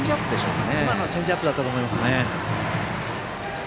今のはチェンジアップだったと思います。